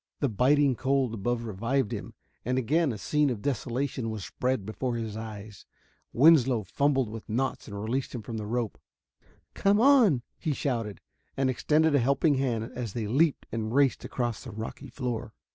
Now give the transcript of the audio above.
The biting cold above revived him, and again a scene of desolation was spread before his eyes. Winslow fumbled with the knots and released him from the rope. "Come on!" he shouted, and extended a helping hand as they leaped and raced across the rocky floor.